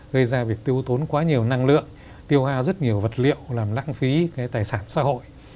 gây ra việc tiêu tốn quá nhiều năng lượng tiêu hao rất nhiều vật liệu làm lãng phí cái tài sản xã hội